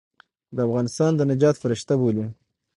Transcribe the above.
د افغانستان د نجات فرشته بولي.